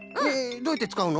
どうやってつかうの？